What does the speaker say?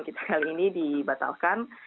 kita kali ini dibatalkan